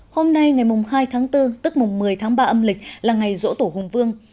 hôm nay ngày hai tháng bốn tức mùng một mươi tháng ba âm lịch là ngày rỗ tổ hùng vương